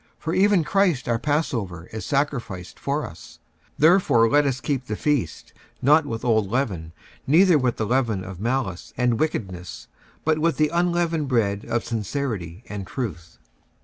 For even Christ our passover is sacrificed for us: 46:005:008 Therefore let us keep the feast, not with old leaven, neither with the leaven of malice and wickedness; but with the unleavened bread of sincerity and truth.